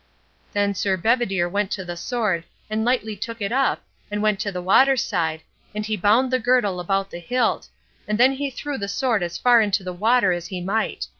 Then Sir Bedivere went to the sword, and lightly took it up, and went to the water side, and he bound the girdle about the hilt, and then he threw the sword as far into the water as he might.